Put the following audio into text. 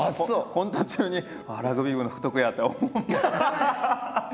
コント中にラグビー部の福徳やって思わん。